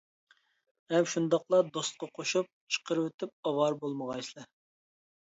ھەم شۇنداقلا دوستقا قوشۇپ، چىقىرىۋېتىپ ئاۋارە بولمىغايسىلەر!